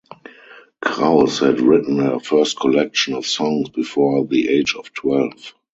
Kraus had written her first collection of songs before the age of twelve.